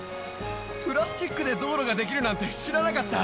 プラスチックで道路が出来るなんて知らなかった。